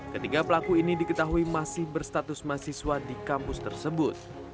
ketiga pelaku ini diketahui masih berstatus mahasiswa di kampus tersebut